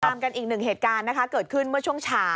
กลางกันอีก๑เหตุการณ์เกิดขึ้นเมื่อช่วงเช้า